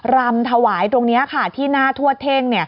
รำถวายตรงนี้ค่ะที่หน้าทวดเท่ง